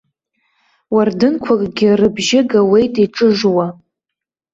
Уардынқәакгьы рыбжьы гауеит иҿыжуа.